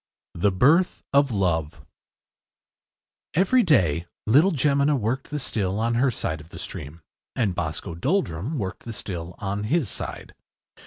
THE BIRTH OF LOVE Every day little Jemina worked the still on her side of the stream, and Boscoe Doldrum worked the still on his side.